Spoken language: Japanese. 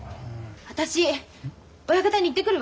私親方に言ってくるわ。